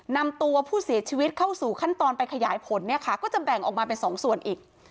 นำตัวผู้เสียชีวิตเข้าสู่ขั้นตอนไปขยายผลเนี่ยค่ะก็จะแบ่งออกมาเป็นสองส่วนอีก